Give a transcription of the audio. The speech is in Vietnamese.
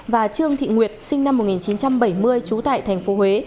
và trương thị nguyệt sinh năm một nghìn chín trăm bảy mươi trú tại tp huế